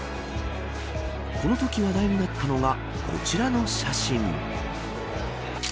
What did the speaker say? このとき話題になったのがこちらの写真。